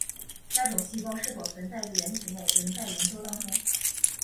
该种细胞是否存在于人体内仍在研究当中。